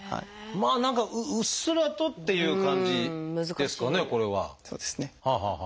まあ何かうっすらとっていう感じですかねこれは。